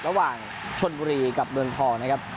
ระหว่างชนบุรีกับเมืองทองนะครับ